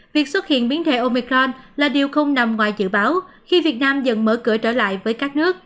việc xuất hiện biến thể omicron là điều không nằm ngoài dự báo khi việt nam dần mở cửa trở lại với các nước